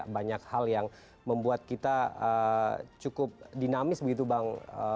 banyak hal yang membuat kita cukup dinamis begitu bang